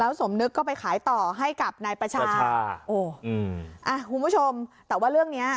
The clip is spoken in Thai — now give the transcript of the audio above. สมนึกก็ไปขายต่อให้กับนายประชาโอ้อืมอ่ะคุณผู้ชมแต่ว่าเรื่องเนี้ย